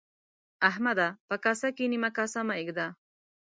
احمده! په کاسه کې نيمه کاسه مه اېږده.